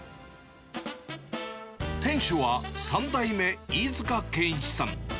店主は、３代目、飯塚健一さん。